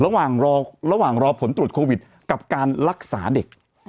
ระหว่างรอระหว่างรอผลตรวจโควิดกับการรักษาเด็ก